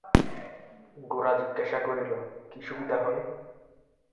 গোরা জিজ্ঞাসা করিল, কী সুবিধা হয়?